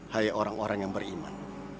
hanya orang orang yang beriman